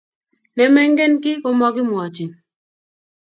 ne mengen kii ko makimwachin